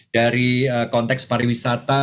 dari konteks pariwisata